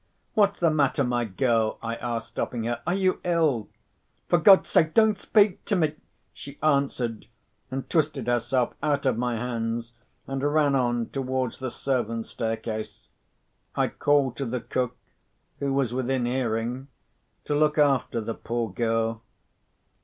"What's the matter, my girl?" I asked, stopping her. "Are you ill?" "For God's sake, don't speak to me," she answered, and twisted herself out of my hands, and ran on towards the servants' staircase. I called to the cook (who was within hearing) to look after the poor girl.